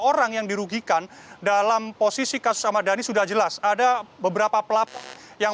orang yang dirugikan dalam posisi kasus ahmad dhani sudah jelas ada beberapa pelaku yang